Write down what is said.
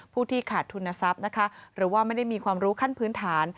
ที่ขาดทุนทรัพย์นะคะหรือว่าไม่ได้มีความรู้ขั้นพื้นฐาน